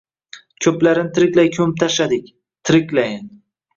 Ko‘plarini tiriklay ko‘mib tashladik, tiriklay!